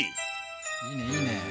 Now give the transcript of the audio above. いいねいいね！